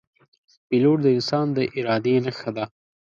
پیلوټ د انسان د ارادې نښه ده.